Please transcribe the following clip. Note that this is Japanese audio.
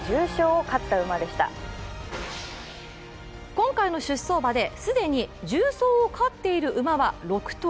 今回の出走馬で既に重賞を勝っている馬は６頭。